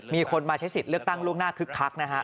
มีคนมาใช้สิทธิ์เลือกตั้งล่วงหน้าคึกคักนะฮะ